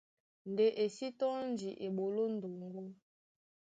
Ndé e sí tɔ́ndi eɓoló ndoŋgó.